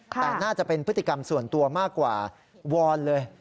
แต่น่าจะเป็นพฤติกรรมส่วนตัวมากกว่าวอนเลย